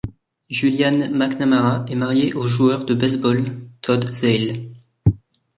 Julianne McNamara est mariée au joueur de baseball Todd Zeile.